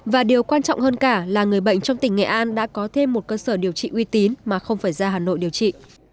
và điều quan trọng hơn cả là người bệnh trong tỉnh nghệ an đã có thêm một cơ sở điều trị uy tín mà không phải ra hà nội điều trị